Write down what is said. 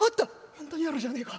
本当にあるじゃねえか。